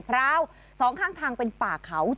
พร้าวสองข้างทางเป็นป่าเขา